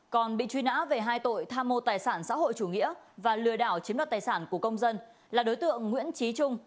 còn bị truy nã về hai tội tham mô tài sản xã hội chủ nghĩa và lừa đảo chiếm đoạt tài sản của công dân là đối tượng nguyễn trí trung